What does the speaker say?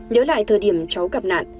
nhớ lại thời điểm cháu gặp nạn